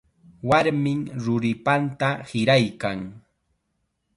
Warmim ruripanta hiraykan.